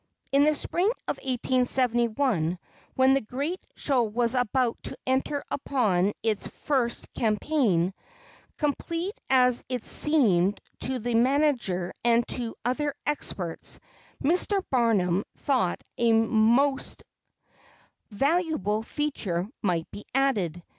In the spring of 1871, when the great show was about to enter upon its first campaign, complete as it seemed to the manager and to other experts, Mr. Barnum thought a most valuable feature might be added.